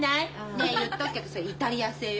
ねえ言っとくけどそれイタリア製よ。